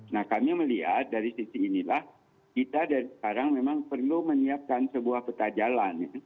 nah kami melihat dari sisi inilah kita sekarang memang perlu menyiapkan sebuah peta jalan ya